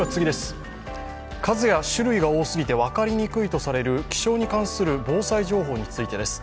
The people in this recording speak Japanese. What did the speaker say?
数や種類が多すぎて分かりにくいとされる気象に関する防災情報についてです。